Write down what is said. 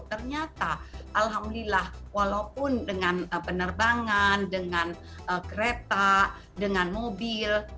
ternyata alhamdulillah walaupun dengan penerbangan dengan kereta dengan mobil